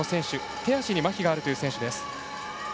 手足にまひがあるという選手です。